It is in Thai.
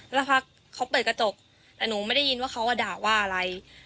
แล้วพักเขาเปิดกระจกแต่หนูไม่ได้ยินว่าเขาด่าว่าอะไร